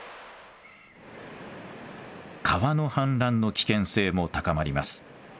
川の氾濫の危険性も高まります。